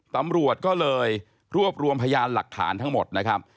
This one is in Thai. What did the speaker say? ตำรวจก็เลยรวบรวมพยานหลักฐานทั้งหมดนะครับ